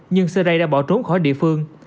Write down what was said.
nhưng seray đã bỏ trốn khỏi địa phương